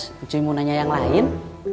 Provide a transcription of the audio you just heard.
ujung ujungnya mau nanya yang lain